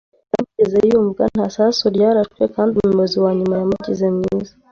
Ariko amagambo ye ntiyigeze yumvwa, nta sasu ryarashwe, kandi umuyobozi wanyuma yamugize mwiza